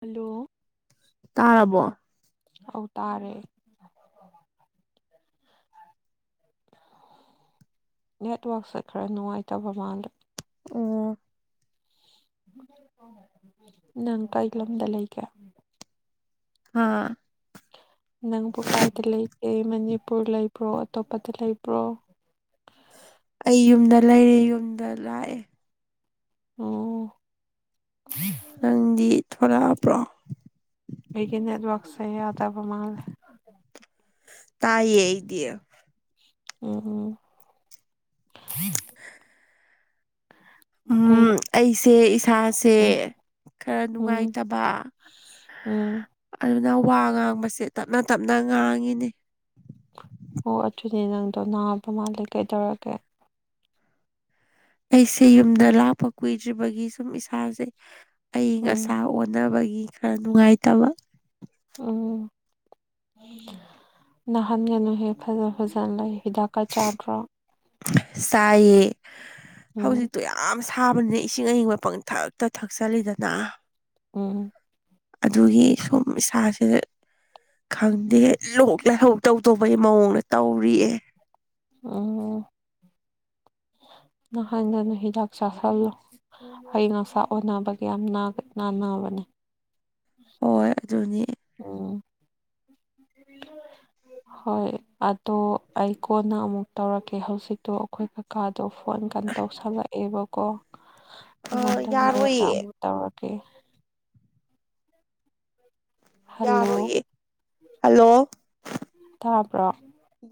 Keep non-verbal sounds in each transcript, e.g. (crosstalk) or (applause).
Hello ꯇꯥꯕꯣ ꯍꯧ ꯇꯥꯔꯦ ꯅꯦꯠꯋꯥꯛꯛꯁꯦ ꯈꯔ ꯅꯨꯡꯉꯥꯏꯇꯕ ꯃꯜꯗ ꯑꯣ ꯅꯪ ꯀꯩ ꯂꯝꯗ ꯂꯩꯒꯦ ꯑꯥ ꯅꯪꯕꯨ ꯀꯥꯏꯗ ꯂꯩꯒꯦ ꯃꯅꯤꯄꯨꯔ ꯂꯩꯕ꯭ꯔꯣ ꯑꯇꯣꯞꯄꯗ ꯂꯩꯕ꯭ꯔꯣ ꯑꯩ ꯌꯨꯝꯗ ꯂꯩꯔꯦ ꯌꯨꯝꯗ ꯂꯥꯛꯑꯦ ꯑꯣ ꯅꯪꯗꯤ ꯊꯣꯔꯛꯄ꯭ꯔꯣ ꯂꯩꯒꯤ ꯅꯠꯇꯕꯁ ꯑꯗꯕꯃꯜ ꯇꯥꯏꯌꯦꯗꯤꯦ ꯎ ꯎ ꯎꯝ ꯑꯩꯁꯦ ꯏꯁꯥꯁꯦ ꯎꯝ ꯈꯔ ꯎꯝ ꯅꯨꯡꯉꯥꯏꯇꯕ ꯎꯝ ꯑꯗꯨꯅ ꯋꯥ ꯉꯥꯡꯕꯁꯦ ꯇꯞꯅ ꯇꯞꯅ ꯉꯥꯡꯉꯤꯅꯤ ꯑꯣ ꯑꯗꯨꯅꯦ ꯅꯪꯗꯣ ꯅꯥꯕ ꯃꯥꯜꯂꯦ ꯀꯩꯗꯧꯔꯒꯦ ꯑꯩꯁꯦ ꯌꯨꯝꯗ ꯂꯥꯛꯄ ꯀꯨꯏꯗ꯭ꯔꯤꯕꯒꯤ ꯁꯨꯝ ꯏꯁꯥꯁꯦ ꯑꯏꯪ ꯎꯝ ꯑꯁꯥ ꯑꯣꯟꯅꯕꯒꯤ ꯈꯔ ꯅꯨꯡꯉꯥꯏꯇꯕ ꯅꯍꯥꯟꯒꯅꯨ ꯍꯦꯐꯖ ꯐꯖꯥꯟ ꯂꯩ ꯍꯤꯗꯥꯛꯀꯥ ꯆꯥꯟꯗ꯭ꯔ ꯆꯥꯏꯌꯦ ꯎꯝ ꯍꯧꯖꯤꯛꯇꯣ ꯌꯥꯝ ꯁꯥꯕꯅꯤꯅ ꯏꯁꯤꯡ ꯑꯏꯤꯡꯕ ꯄꯪ ꯊꯛꯛꯦ ꯇ ꯊꯛꯆꯂꯤꯗꯅ ꯎ ꯑꯗꯨꯒꯤ ꯁꯨꯝ ꯏꯁꯥꯁꯦ ꯈꯪꯗꯦ ꯂꯣꯛ ꯂꯥꯏꯍꯧ ꯇꯧ ꯇꯧꯕꯩ ꯃꯑꯣꯡꯗ ꯇꯧꯔꯤꯌꯦ ꯑ (inaudible) ꯅ ꯍꯥꯏꯥꯟꯅꯅ ꯍꯤꯗꯥꯛ ꯆꯁꯜꯂꯣ ꯑꯏ ꯑꯁꯥ ꯑꯣꯏꯅꯕꯒꯤ ꯌꯥꯝ ꯅꯥꯟꯅꯕꯅꯦ ꯍꯣꯏ ꯑꯗꯨꯅꯤ ꯎꯝ (inaudible) ꯍꯣꯏ ꯑꯗꯣ ꯑꯩ ꯀꯣꯟꯅ ꯑꯃꯨꯛ ꯇꯧꯔꯛꯀꯦ ꯍꯧꯖꯤꯛꯇꯣ ꯑꯩꯈꯣꯏ ꯀꯀꯥ ꯑꯣ ꯐꯣꯟ ꯀꯥꯟ ꯇꯧꯁꯜꯂꯛꯑꯦꯕꯀꯣ ꯑ ꯑꯩ ꯉꯥꯛꯇꯪꯅꯔꯒ ꯌꯥꯔꯣꯏꯌꯦ ꯑꯃꯨꯛ ꯇꯧꯔ ꯑꯣꯀꯦ ꯍꯜꯂꯣ ꯌꯥꯔꯣꯏꯌꯦ ꯍꯜꯂꯣ ꯇꯥꯕ꯭ꯔꯣ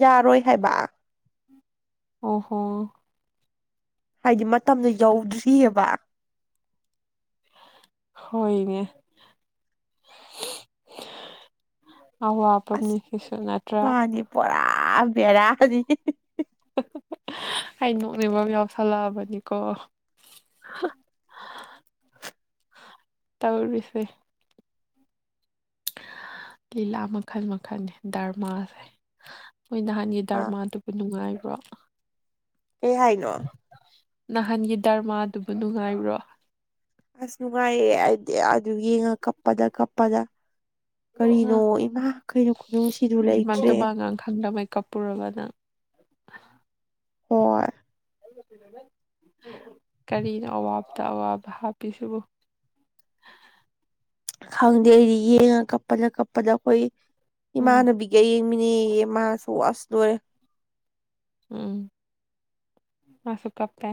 ꯌꯥꯔꯣꯏ ꯍꯥꯏꯦꯕ ꯑꯣ ꯍꯣ ꯍꯥꯏꯗꯤ ꯃꯇꯝꯗꯨ ꯌꯧꯗ꯭ꯔꯤꯑꯕ ꯍꯣꯏꯅꯦ ꯑꯋꯥꯕ ꯃꯤꯒꯤꯁꯨ ꯅꯠꯇ꯭ꯔꯥ ꯑꯕꯦꯔ ꯍꯧꯖꯤ ꯑꯩ ꯅꯣꯛꯅꯤꯐꯝꯝ ꯌꯥꯎꯁꯜꯂꯛꯑꯕꯅꯤꯀꯣ ꯇꯎꯕꯤꯁꯦ ꯂꯤꯂꯥ ꯃꯈꯜ ꯃꯈꯜꯅꯤ ꯙꯔꯃꯥꯁꯦ ꯃꯣꯏ ꯅꯍꯥꯟꯒꯤ ꯑꯥ ꯗꯔꯃꯥꯗꯨꯕꯨ ꯅꯨꯡꯉꯥꯏꯕ꯭ꯔꯣ ꯑꯦ ꯍꯥꯏꯅ ꯅꯍꯥꯟꯒꯤ ꯗꯔꯃꯥꯗꯨꯕꯨ ꯅꯨꯡꯉꯥꯏꯕ꯭ꯔꯣ ꯑꯁ ꯅꯨꯡꯉꯥꯏꯌꯦ ꯑꯩꯗꯤ ꯑꯗꯨ ꯌꯦꯡꯉ ꯀꯞꯄꯗ ꯀꯞꯄꯗ ꯀꯔꯤꯅꯣ ꯑ ꯏꯃꯥ ꯀꯩꯅꯣ ꯈꯨꯅꯨꯡꯁꯤꯗꯨ ꯃꯤꯃꯥꯡ ꯂꯩꯇ꯭ꯔꯦ ꯇꯨꯃꯥꯡꯒꯥꯡ ꯈꯪꯗꯕꯩ ꯀꯞꯄꯨꯔꯕ ꯅꯪ ꯍ ꯀꯔꯤꯅꯣ ꯑꯋꯥꯕꯇ ꯑꯋꯥꯕ ꯍꯥꯞꯄꯤꯁꯤꯕꯨ ꯈꯪꯗꯦ ꯑꯩꯗꯤ ꯌꯦꯡꯉ ꯀꯞꯄꯗ ꯀꯞꯄꯗ ꯑꯩꯈꯣꯏ ꯎꯝ ꯏꯃꯥꯟꯅꯕꯤꯒ ꯌꯦꯡꯃꯤꯅꯦꯌꯦꯃꯁꯨ ꯑꯁ ꯂꯣꯏꯔꯦ ꯎꯝ ꯃꯥꯁꯨ ꯀꯞꯄꯦ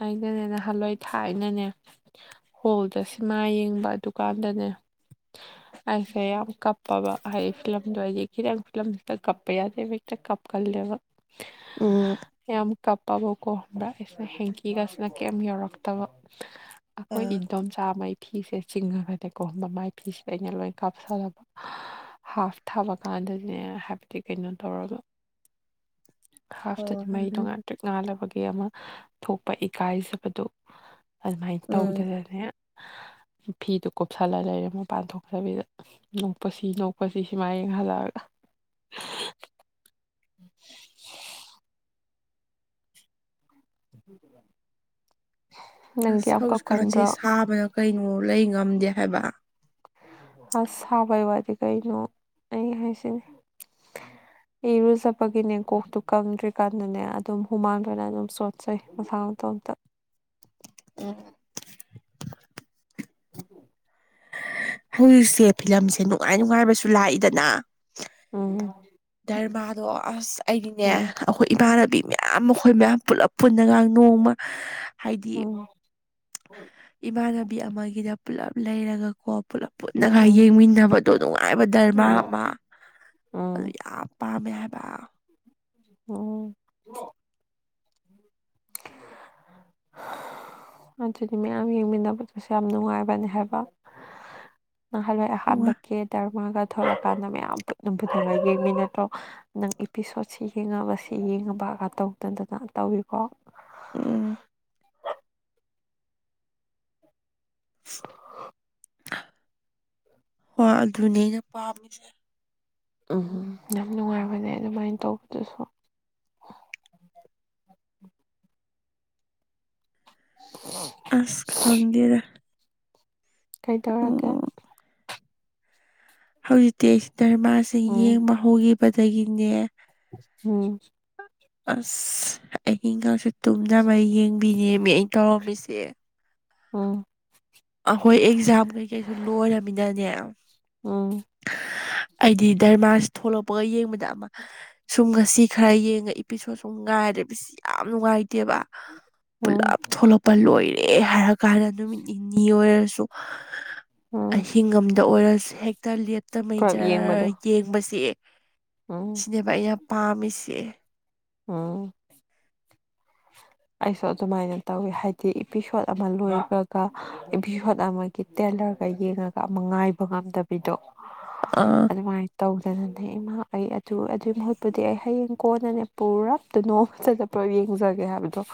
ꯑꯩꯩꯅꯅꯦ ꯅꯍꯥꯟꯋꯥꯏ ꯊꯥꯏꯅꯅꯦ ꯍꯣꯜꯗ ꯁꯃꯥꯏ ꯍꯌꯦꯡꯕ ꯗꯨꯀꯥꯟꯗꯅꯦ ꯑꯩꯁꯦ ꯌꯥꯝ ꯀꯞꯄꯕ ꯍꯥꯏꯗꯤ ꯐꯤꯂꯝꯗꯣ ꯍꯥꯏꯗꯤ ꯈꯤꯇꯪ ꯐꯤꯂꯝꯁꯤꯗ ꯀꯞꯄ ꯌꯥꯗꯦ ꯇ ꯀꯞꯀꯜꯂꯦꯕ ꯎꯝ ꯌꯥꯝ ꯄꯥꯕꯣꯛꯀꯣ ꯍꯕ꯭ꯔ ꯑꯩꯁꯤꯅ ꯍꯦꯡꯀꯤꯒꯁꯤꯅ ꯀꯩꯝ ꯌꯧꯔꯛꯇꯕ ꯑꯩꯈꯣꯏ ꯑ ꯏꯟꯗꯣꯝ ꯆꯥꯃꯩ ꯐꯤꯁꯦ ꯆꯤꯡꯉꯒꯅꯦꯀꯣ ꯃꯃꯥꯏ ꯐꯤꯁꯤꯗ ꯑꯩꯅ ꯂꯣꯏ ꯀꯥꯞꯁꯜꯂꯕ ꯍꯥꯐ ꯊꯥꯕ ꯀꯥꯟꯗꯅꯦ ꯍꯥꯏꯕꯗꯤ ꯀꯩꯅꯣ ꯇꯧꯔꯒ (unintelligible) ꯍꯣꯏ ꯍꯥꯐꯇꯗꯤ ꯃꯩ ꯑꯗꯨꯝ ꯇꯣꯡꯉꯥꯟ ꯄꯛ ꯉꯥꯕꯒꯤ ꯑꯃ ꯊꯣꯛꯄ ꯏꯀꯥꯏꯖꯕꯗꯨ ꯑꯗꯨꯃꯥꯏꯅ ꯎꯝ ꯇꯧꯗꯗꯅꯦ (unintelligible) ꯐꯤꯗꯨ ꯀꯨꯞꯁꯜꯂ ꯂꯩꯔꯦ ꯃꯄꯥꯟ ꯊꯣꯛꯇꯕꯤꯗ ꯅꯣꯛꯄꯁꯤ ꯅꯣꯛꯄꯁꯤ ꯁꯤꯃꯥ ꯌꯦꯡꯍꯜꯂꯛꯑꯒ l. (unintelligible) (unintelligible) ꯅꯪꯗꯤ ꯑꯁ ꯌꯥꯝ ꯍꯧꯖꯤꯛꯀꯥꯟꯁꯦ ꯀꯛꯀꯟꯗ꯭ꯔꯣ ꯁꯥꯕꯅ ꯀꯩꯅꯣ ꯂꯩ ꯉꯝꯗꯦ ꯍꯥꯏꯕ ꯑꯁ ꯁꯥꯕꯩ ꯋꯥꯗꯤ ꯀꯩꯅꯣ ꯑꯩ ꯍꯥꯏꯁꯤꯅꯤ (inaudible) ꯏꯔꯨꯖꯄꯒꯤꯅꯦ ꯀꯣꯛꯇꯨ ꯀꯪꯗ꯭ꯔꯤꯀꯥꯟꯗꯅꯦ ꯑꯗꯨꯝ ꯍꯨꯃꯥꯡꯗꯨꯅ ꯑꯗꯨꯝ ꯆꯣꯠꯆꯩ ꯃꯁꯥ ꯇꯣꯝꯇ ꯎꯝ ꯎꯝ ꯍꯧꯖꯤꯛꯁꯦ ꯐꯤꯂꯝꯁꯦ ꯅꯨꯡꯉꯥꯏ ꯅꯨꯡꯉꯥꯏꯕꯁꯨ ꯂꯥꯛꯏꯗꯅ ꯎꯝ ꯙꯔꯃꯥꯗꯣ ꯑꯁ ꯑꯩꯗꯤꯅꯦ ꯎꯝ ꯑꯩꯈꯣꯏ ꯏꯃꯥꯟꯅꯕꯤ ꯃꯌ ꯃꯌꯥꯝ ꯑꯩꯈꯣꯏ ꯃꯌꯥꯝ ꯄꯨꯂꯞ ꯄꯨꯟꯅꯒꯥꯡ ꯅꯣꯡꯃ ꯍꯥꯏꯗꯤ ꯎꯝ ꯏꯃꯥꯟꯅꯕꯤ ꯑꯃꯒꯤꯗ ꯄꯨꯜꯂꯞ ꯂꯩꯔꯒ ꯀꯣ ꯄꯨꯂꯞ ꯄꯨꯟꯅꯒ ꯎꯝ ꯌꯦꯡꯃꯤꯟꯅꯕꯗꯣ ꯅꯨꯡꯉꯥꯏꯕ ꯗꯔꯃꯥꯔ ꯎꯝ ꯑꯃ ꯎꯝ ꯑꯗꯨ ꯌꯥꯝ ꯄꯥꯝꯃꯦ ꯍꯥꯏꯕ ꯎꯝ ꯑꯗꯨꯗꯤ ꯃꯌꯥꯝ ꯌꯦꯡꯃꯤꯟꯅꯕꯗꯨꯁꯨ ꯌꯥꯝ ꯅꯨꯡꯉꯥꯏꯕꯅꯦ ꯍꯥꯏꯕ ꯅꯍꯜꯂꯋꯥꯏ ꯎꯝ ꯑꯍꯥꯟꯕ ꯀꯦ ꯙꯔꯃꯥꯒꯗ ꯄꯨꯊꯣꯔꯀꯥꯟꯗ ꯃꯌꯥꯝ ꯄꯨꯗꯨꯅ ꯌꯦꯡꯃꯤ ꯅꯠꯇ꯭ꯔꯣ ꯅꯪ ꯏꯄꯤꯁꯣꯠꯁꯤ ꯌꯦꯡꯉꯕ ꯁꯤ ꯌꯦꯡꯉꯕ ꯀ ꯈꯥ ꯇꯧꯗꯗꯅ ꯇꯧꯋꯤꯀꯣ ꯎꯝ ꯍꯣꯏ ꯑꯗꯨꯅꯦ ꯑꯩꯅ ꯄꯥꯝꯃꯤꯁꯦ ꯎꯝ ꯌꯥꯝ ꯅꯨꯡꯉꯥꯏꯕꯅꯦ ꯑꯗꯨꯃꯥꯏꯅ ꯇꯧꯕꯗꯨꯁꯨ (inaudible) ꯑꯁ ꯈꯪꯗꯦꯗ ꯀꯩꯗꯧꯔꯛꯒꯦ ꯎꯝ ꯍꯧꯖꯤꯛꯇꯤ ꯑꯩꯁꯤ ꯙꯔꯃꯁꯤ ꯎꯝ ꯌꯦꯡꯕ ꯍꯧꯒꯤꯕꯗꯒꯤꯅꯦ ꯎꯝ ꯑꯁ ꯑꯍꯤꯡꯒꯥꯡꯁꯦ ꯇꯨꯝꯗꯔꯕ ꯌꯦꯡꯕꯤꯅꯦꯃꯤ ꯑ ꯇꯧꯔꯝꯃꯤꯁꯦ ꯑꯝ ꯑꯩꯍꯣꯏ ꯑꯦꯛꯖꯥꯝ ꯀꯩꯀꯩꯁꯨ ꯂꯣꯏꯔꯝꯃꯤꯅꯅꯦ ꯎꯝ ꯑꯩꯗꯤ ꯗꯙꯔꯃꯁꯤ ꯊꯣꯛꯂꯛꯄꯒ ꯌꯦꯡꯕꯗ ꯑꯃ ꯁꯨꯝ ꯉꯁꯤ ꯈꯔ ꯌꯦꯡꯉ ꯏꯄꯤꯁꯣꯠ ꯁꯨꯝ ꯉꯥꯏꯔꯦ ꯂꯩꯕꯁꯤ ꯌꯥꯝ ꯅꯨꯡꯉꯥꯏꯇꯦ ꯇꯦꯕ ꯎꯝ ꯄꯨꯂꯞ ꯊꯣꯛꯂꯛꯄ ꯂꯣꯏꯔꯦ ꯍꯥꯏꯔ ꯀꯥꯟꯗ ꯅꯨꯃꯤꯠꯅꯤ ꯅꯤ ꯑꯣꯏꯔꯁꯨ ꯎꯝ ꯑꯍꯤꯡ ꯑꯃꯝꯗ ꯑꯣꯏꯔꯁꯨ ꯍꯦꯛꯇ ꯂꯦꯠ ꯇꯃꯩ ꯄꯨꯂꯞ ꯖꯔꯔ ꯌꯦꯡꯕꯗꯣ ꯌꯦꯡꯕꯁꯦ ꯎꯝ ꯁꯤꯅꯦꯕ ꯑꯩꯅ ꯄꯥꯝꯃꯤꯁꯦ ꯎꯡ ꯑꯩꯁꯨ ꯑꯗꯨꯃꯥꯏꯅ ꯇꯧꯋꯤ ꯍꯥꯏꯗꯤ ꯑꯦꯄꯤꯁꯣꯠ ꯑꯃ ꯂꯣꯏꯕꯒ ꯑꯦꯄꯤꯁꯣꯠ ꯑꯃꯒꯤ ꯇꯦꯠ ꯀꯂꯔꯒ ꯌꯦꯡꯉꯒ ꯑꯃ ꯉꯥꯏꯕ ꯉꯝꯗꯕꯤꯗꯣ ꯑꯥ ꯑꯗꯨꯃꯥꯏꯅ ꯇꯧꯗꯅꯅꯦ ꯏꯃꯥ ꯑꯩ ꯑꯗꯨ ꯑꯗꯨꯏ ꯃꯍꯨꯠꯄꯨꯗꯤ ꯑꯩ ꯍꯌꯦꯡ ꯀꯣꯟꯅꯅꯦ ꯄꯨꯔꯞꯇꯨꯅꯣ ꯆ ꯌꯦꯡꯖꯒꯦ ꯍꯥꯏꯕ ꯇꫭ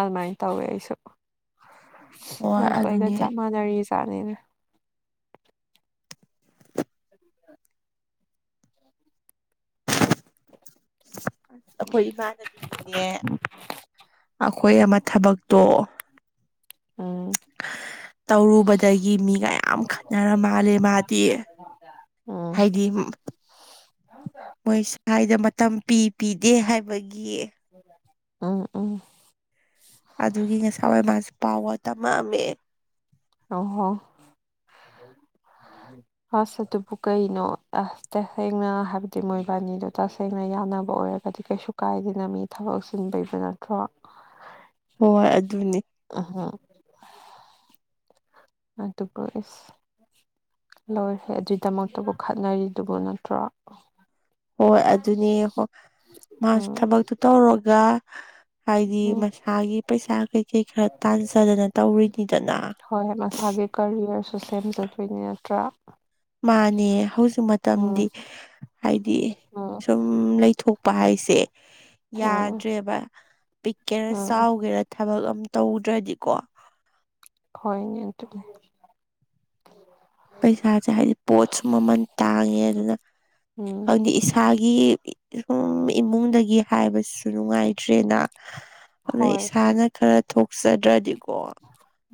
ꯑꯗꯨꯃꯥꯏ ꯇꯧꯔꯦ ꯑꯩꯁꯨ ꯍꯣꯏ ꯅꯪꯁꯨ ꯑꯩꯒ ꯑꯗꯨꯅꯦ ꯆꯞ ꯃꯥꯟꯅꯔꯤ ꯇꯥꯠꯅꯤꯅꯦ (unintelligible) ꯑꯈꯣꯏ ꯏꯃꯥꯟꯅꯕꯤꯗꯤꯅꯦ ꯑꯈꯣꯏ ꯑꯃ ꯊꯕꯛꯇꯣ ꯎꯝ ꯇꯧꯔꯨꯕꯗꯒꯤ ꯃꯤꯒꯌꯥꯝ ꯈꯠꯅ꯭ꯔ ꯃꯥꯜꯂꯦ ꯃꯥꯗꯤ ꯎꯝ ꯍꯥꯏꯗꯤ ꯃꯣꯏ ꯁꯥꯏꯗ ꯃꯇꯝ ꯄꯤ ꯄꯤꯗꯦ ꯍꯥꯏꯕ ꯎꯝ ꯎꯝ ꯇꯝ ꯃꯛ ꯑꯝꯃꯦ ꯑꯣ ꯍꯣ (inaudible) (unintelligible) ꯑꯁ ꯑꯗꯨꯕꯨ ꯀꯩꯅꯣ ꯑꯁ ꯇꯁꯦꯡꯅ ꯍꯥꯏꯕꯗꯤ ꯃꯣꯏꯕꯥꯅꯤꯗꯣ ꯇꯁꯦꯡꯅ ꯌꯥꯝ ꯅꯥꯕ ꯑꯣꯏꯔꯒꯗꯤ ꯀꯩꯁꯨ ꯀꯥꯏꯗꯦꯅ ꯃꯤ ꯊꯕꯛ ꯆꯤꯟꯕꯩ ꯅꯠꯇ꯭ꯔꯣ ꯍꯣꯏ ꯑꯗꯨꯅꯤ ꯎꯝꯍꯝ ꯑꯗꯨꯕꯨ ꯑꯁ ꯂꯣꯏꯈꯔꯦ ꯑꯗꯨꯏꯗꯃꯛꯇꯕꯨ ꯈꯠꯅꯔꯤꯗꯨꯕꯨ ꯅꯠꯇ꯭ꯔꯣ ꯍꯣꯏ ꯑꯗꯨꯅꯦ ꯍꯣꯏ ꯃꯥꯁꯨ ꯎꯝ ꯊꯕꯛꯇꯨ ꯇꯧꯔꫭꯒ ꯍꯥꯏꯗꯤ ꯎꯝ ꯃꯁꯥꯒꯤ ꯄꯩꯁꯥ ꯀꯩ ꯀꯩ ꯈꯔ ꯇꯥꯟꯖꯗꯅ ꯇꯧꯔꯤꯅꯤꯗꯅ ꯍꯣꯏ ꯃꯁꯥꯒꯤ ꯀꯔꯤꯅ ꯁꫭꯁꯦꯜ ꯆꯠꯄꯩ ꯅꯠꯇ꯭ꯔꯥ ꯃꯥꯅꯦ ꯍꯧꯖꯤꯛ ꯃꯇꯝꯗꯤ ꯎꯝ ꯍꯥꯏꯗꯤ ꯎꯝ ꯁꯨꯝ ꯂꯩꯊꯣꯛ ꯄ ꯍꯥꯏꯁꯦ ꯎꯝ ꯌꯥꯗ꯭ꯔꯦꯕ ꯄꯤꯛꯀꯦꯔꯥ ꯎꯝ ꯆꯥꯎꯒꯦꯔ ꯊ ꯊꯕꯛ ꯑꯝ ꯇꯧꯗ꯭ꯔꯗꯤꯀꯣ ꯍꯣꯏꯅꯦ ꯑꯗꯨꯒꯤ ꯄꯩꯁꯥꯁꯦ ꯍꯥꯏꯗꯤ ꯄꯣꯠꯁꯨ ꯃꯃꯟ ꯇꯥꯡꯉꯦ ꯑꯗꯨꯅ ꯎꯝ ꯈꯪꯗꯦ ꯏꯁ ꯏꯁꯥꯒꯤ ꯁꯨꯝ ꯏꯃꯨꯡꯗꯒꯤ ꯍꯥꯏꯕꯁꯨ ꯅꯨꯡꯉꯥꯏꯇ꯭ꯔꯦꯅ ꯑꯗꯨꯅ ꯍꯣꯏ ꯏꯁꯥꯅ ꯈꯔ ꯊꯣꯛꯆꯗ꯭ꯔꯗꯤ ꯀꯣ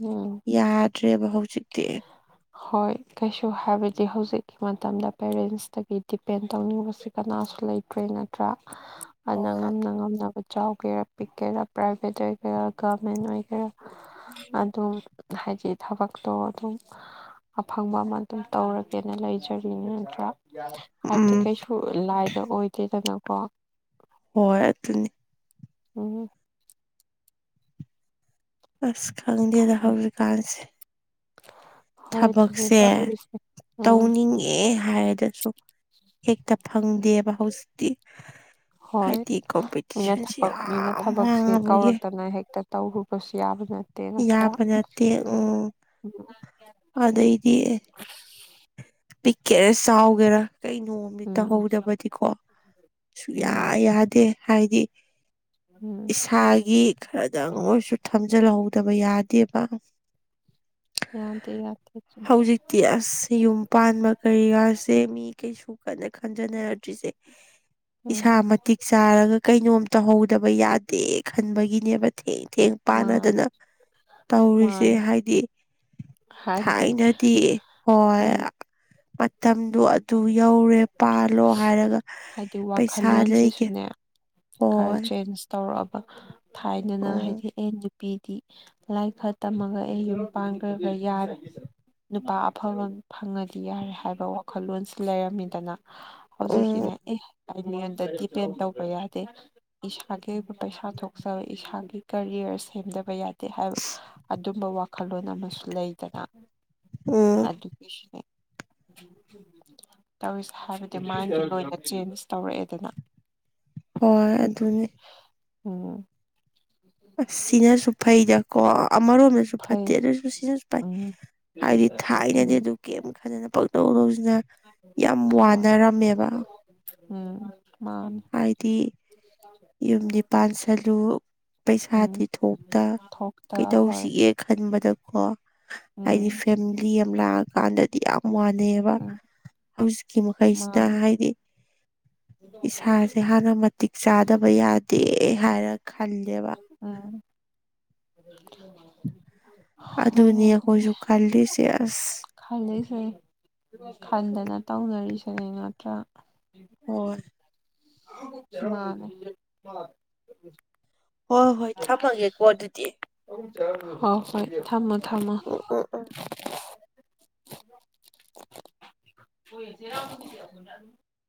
ꯎꯝ ꯌꯥꯗ꯭ꯔꯦꯕ ꯍꯧꯖꯤꯛ (unintelligible) ꯍꯣꯏ ꯀꯩꯁꯨ ꯍꯥꯏꯕꯗꯤ ꯍꯧꯖꯤꯛꯀꯤ ꯃꯇꯝꯗ ꯄꯦꯔꯦꯟꯁꯇꯒꯤ ꯗꯤꯄꯦꯟ ꯇꯧꯅꯤꯡꯉꯨꯕꯁꯤ ꯀꯅꯥ ꯁꯨ ꯂꯩꯇ꯭ꯔꯦ ꯅꯠꯇ꯭ꯔꯥ ꯑꯗꯨꯅ ꯍꯣꯏ ꯑꯗꯨ ꯉꯝꯅ ꯉꯝꯅꯕ ꯆꯥꯎꯒꯦꯔꯥ ꯄꯤꯛꯀꯦꯔꯥ ꯄꯥꯏꯗ꯭ꯔꯗꯤ ꯀꯌꯥ ꯀꯃꯦꯟ ꯑꫭꯏꯈꯔꯦ ꯑꯗꯨꯝ ꯍꯥꯏꯗꯤ ꯊꯕꯛꯇꯣ ꯑꯗꯨꯝ ꯑꯐꯪꯕ ꯑꯃ ꯑꯗꯨꯝ ꯇꯧꯔꯒꯦꯅ ꯂꯩꯖꯔꯤ ꯅꯠꯇ꯭ꯔꯥ ꯍꯥꯏꯕꯗꯤ ꯎꯝ ꯀꯩꯁꯨ ꯂꯥꯏꯕ ꯑꯣꯏꯗꯦꯗꯅꯀꯣ ꯍꯣꯏ ꯑꯗꯨꯅꯤ ꯎꯝ ꯑꯁ ꯈꯪꯗꯦꯗ ꯎꯝ ꯍꯧꯖꯤꯛꯀꯥꯟꯁꯦ ꯍꯣꯏ ꯑꯗꯨꯅꯦ ꯊꯕꯛꯁꯦ ꯇꯧꯔꯤꯁꯦ ꯎꯝ ꯇꯧꯅꯤꯡꯉꯦ ꯍꯥꯏ ꯗꯁꯨ ꯍꯦꯛꯇ ꯐꯪꯗꯦꯕ ꯍꯧꯖꯤꯛꯇꯤ ꯍꯣꯏ ꯍꯥꯏꯗꯤ ꯃꯤꯅ ꯀꯝꯄꯤꯇꯤꯁꯟꯁꯤ ꯊꯕꯛ ꯌꯥꯝ ꯋꯥꯥꯡꯉꯕꯒꯤ ꯇꯧꯔꯨꯕꯁꯤ ꯌꯥꯕꯅꯦ ꯌꯥꯕ ꯅꯠꯇꯦ ꯎꯝ ꯑꯗꯩꯗꯤ ꯄꯤꯛꯀꯦꯔ ꯆꯥꯎꯒꯦꯔ ꯀꯩꯩꯅꯣꯝꯗꯤ ꯎꯝ ꯇꯧꯍꯧꯗꯕꯗꯤꯀꯣ ꯁꯨꯛꯌꯥ ꯎꯝ ꯌꯥꯗꯦ ꯍꯥꯏꯗꯤ ꯎꯝ ꯏꯁꯥꯒꯤ ꯈ꯭ꯔꯗꯪ ꯑꯣꯏꯁꯨ ꯊꯝꯖꯤꯜꯍꯧꯗꯕ ꯌꯥꯗꯦꯕ ꯃꯌꯥꯝ ꯍꯧꯖꯤꯛꯇꯤ ꯑꯁ ꯌꯨꯝ ꯄꯥꯟꯕ ꯀꯩꯀꯥꯁꯦ ꯃꯤ ꯀꯩꯁꯨ ꯀꯟꯅ ꯈꯟꯖꯅꯔꯗ꯭ꯔꯤꯁꯦ ꯎꯝ ꯏꯁꯥ ꯃꯇꯤꯛ ꯆꯥꯔꯒ ꯀꯩꯅꯣꯝ ꯇꯧꯍꯧ ꯗꯕ ꯌꯥꯗꯦ ꯈꯟꯕꯒꯤꯅꯦꯕ ꯊꯦꯡ ꯊꯦꯡ ꯃꯥꯅꯦ ꯄꯥꯟꯅꯗꯅ ꯇꯧꯔꯤꯁꯦ ꯃꯥꯅꯦ ꯍꯥꯏꯗꯤ ꯍꯥꯏꯕꯗꯤ ꯊꯥꯏꯅꯗꯤ ꯍꯣꯏ ꯎꯝ ꯃꯠ ꯃꯇꯝꯗꯨꯣ ꯑꯗꯨ ꯌꯧꯔꯦ ꯄꯥꯜꯂꯣ ꯍꯥꯏꯔꯒ ꯍꯥꯏꯗꯤ ꯄꯩꯁꯥ ꯂꯩꯒꯦ ꯋꯥꯈꯜꯂꯣꯟꯁꯤꯁꯨꯅꯦ ꯈꯔ ꯍꯣꯏ ꯆꯦꯟꯖ ꯇꯧꯔꯛꯑꯕ ꯊꯥꯏꯗꯅ ꯎꯝ ꯍꯥꯏꯗꯤ ꯑꯦ ꯄꯄꯤꯗꯤ ꯂꯥꯏ ꯈꯔ ꯇꯝꯃꯒ ꯑꯩ ꯌꯨꯝ ꯄꯥꯟꯈ꯭ꯔꯒ ꯌꯥꯔꯦ ꯅꯨꯄꯥ ꯑꯐꯕ ꯐꯪꯉꯗꯤ ꯌꯥꯔꯦ ꯍꯥꯏꯕ ꯋꯥ ꯋꯥꯈꯜꯂꯣꯟꯜꯁꯤ ꯂꯩꯔꯝꯃꯤꯗꯅ ꯎꯝ ꯍꯧꯖꯤꯛꯀꯤꯅꯦ ꯑꯦ ꯑꯩ ꯃꯤꯉꯣꯟꯗ ꯗꯤꯄꯦꯟ ꯇꯧꯕ ꯌꯥꯗꯦ ꯏꯁꯥꯒꯤ ꯑꯣꯏꯕ ꯄꯩꯁꯥ ꯊꯣꯛꯆꯕ ꯏꯁꯥꯒꯤ ꯀꯔꯤꯌꯔ ꯁꯦꯝꯗꯕ ꯌꯥꯗꯦ ꯍꯥꯏꯕ ꯑꯗꯨꯝꯕ ꯋꯥꯈꯜꯂꯣꯟ ꯑꯃꯁꯨ ꯂꯩꯗꯅ ꯎꯝ ꯑꯗꯨꯒꯤ ꯇꯧꯁ ꯍꯥꯏꯕꯗꯤ ꯃꯥꯏꯟꯗꯣ ꯂꯣꯏꯅ ꯆꯦꯟꯖ ꯇꯧꯔꯛꯑꯦꯗꯅ ꯍꯣꯏ ꯑꯗꯨꯅꯦ ꯑꯣꯝ ꯑ ꯁꯤꯅꯁꯨ ꯐꯩꯗꯀꯣ ꯑꯃꯔꯣꯝꯗꯁꯨ ꯐꯠꯇꯦ ꯐꯩ ꯑꯗꯨꯁꯨ ꯁꯤꯅꯁꯨ ꯐꯥꯏ ꯎꯝ ꯍꯥꯏꯕꯗꯤ ꯊꯥꯏꯅꯗꯤ ꯎꯝ ꯑꯗꯨ ꯀꯩ ꯐꯖꯅ ꯄꯛꯇꯧꯗꯧꯁꯤꯅ ꯌꯥꯝ ꯍꯣꯏ ꯋꯥꯅꯔꯝꯃꯦꯕ ꯎꯝ ꯃꯥꯅꯤ ꯍꯥꯏꯗꯤ ꯌꯨꯝ ꯄꯥꯟꯁꯜꯂꯨ ꯎꯝ ꯄꯩꯁꯥꯗꯤꯤ ꯊꯣꯛꯇ ꯊꯣꯛꯇ ꯍꯣꯏ ꯀꯩꯗꯧꯁꯤꯒꯦ ꯈꯟꯕꯗꯀꯣ ꯍꯥꯏꯗꯤ ꯎꯝ ꯐꯦꯃꯤꯂꯤ ꯑꯃ ꯂꯥꯛꯑꯀꯥꯟꯗꯗꯤ ꯌꯥꯝ ꯃꯥꯟꯅꯩꯑꯕ ꯎꯝ ꯍꯧꯖꯤꯛꯀꯤ ꯃꯈꯩꯁꯤꯅ ꯃꯥꯅꯤ ꯍꯥꯏꯗꯤ ꯏꯁꯥꯁꯦ ꯍꯥꯟꯅ ꯃꯇꯤꯛ ꯆꯥꯗ ꯌꯥꯗꯦ ꯍꯥꯏꯔ ꯈꯟꯂꯦꯕ ꯎ ꯑꯅꯌꯥ ꯑꯗꯨꯅꯦ ꯀꯖꯨꯀꯥꯟꯂꯤꯁꯌꯥꯁ ꯈꯜꯂꯤꯁꯦ ꯈꯟꯗꯅ ꯇꯧꯅꯔꯤꯁꯤꯅꯦ ꯅꯠꯇ꯭ꯔꯥ ꯍ ꯑ ꯍꯣꯏ ꯍꯣꯏ ꯊꯝꯃꯒꯦꯀꯣ ꯑꯗꯨꯗꯤ ꯍꯣ ꯍꯣꯏ ꯊꯝꯃꯣ ꯊꯝꯃꯣ ꯎꯝ ꯎꯝ ꯎꯝ ꯑꯣꯏꯆꯔ